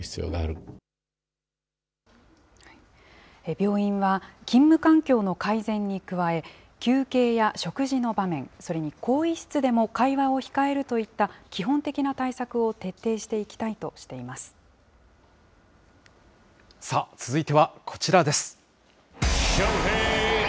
病院は、勤務環境の改善に加え、休憩や食事の場面、それに更衣室でも会話を控えるといった基本的な対策を徹底していさあ、続いてはこちらです。